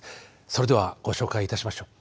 それではご紹介いたしましょう。